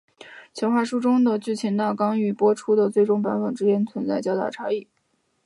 企划书中的剧情大纲与播出的最终版本之间存在巨大差异。